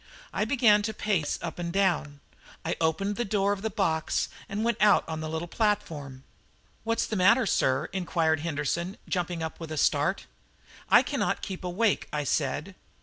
I began to pace up and down; I opened the door of the box and went out on the little platform. "What's the matter, sir?" inquired Henderson, jumping up with a start. "I cannot keep awake," I said.